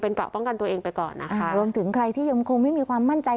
เกราะป้องกันตัวเองไปก่อนนะคะรวมถึงใครที่ยังคงไม่มีความมั่นใจ